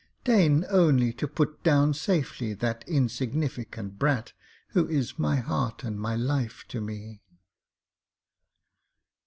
Deign only to put down safely that insignificant brat who is my heart and my life to me.'